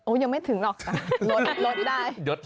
โอ้ยยังไม่ถึงหรอกลดได้